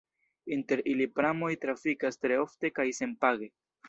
Inter ili pramoj trafikas tre ofte kaj senpage.